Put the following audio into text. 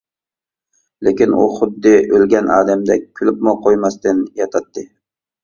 لېكىن ئۇ خۇددى ئۆلگەن ئادەمدەك، كۈلۈپمۇ قويماستىن ياتاتتى.